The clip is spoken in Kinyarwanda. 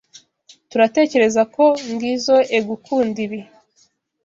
turatekerezako ngizoe gukunda ibi.